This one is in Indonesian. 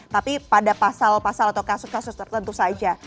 tapi pada pasal pasal atau kasus kasus tertentu saja